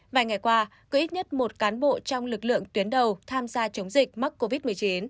vài ngày qua có ít nhất một cán bộ trong lực lượng tuyến đầu tham gia chống dịch mắc covid một mươi chín